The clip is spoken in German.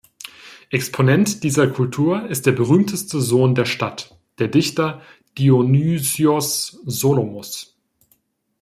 Exponent dieser Kultur ist der berühmteste Sohn der Stadt, der Dichter Dionysios Solomos.